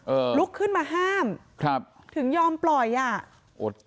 ลุกขึ้นมาห้ามครับถึงยอมปล่อยอ่ะอด